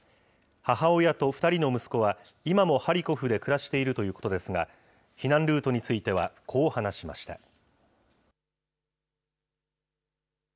母親と２人の息子は、今もハリコフで暮らしているということですが、避難ルートについてはこう話しました。